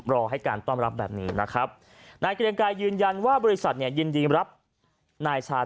รอให้การต้อนรับแบบนี้นะครับนายเกรียงกายยืนยันว่าบริษัทเนี่ยยินดีรับนายชา